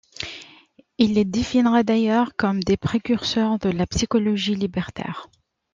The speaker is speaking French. Il les définira d'ailleurs comme des précurseurs de la psychologie libertaire.